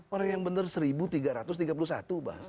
orang yang benar seribu tiga ratus tiga puluh satu bahasa